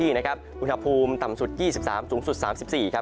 ภาคใต้ฝั่งอันดามันฝนอยู่ที่ประมาณ๑๑๐๒๐องศาเซียตสูงสูงประมาณ๑เมตร